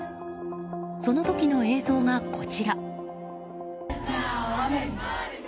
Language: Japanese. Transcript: その時の映像が、こちら。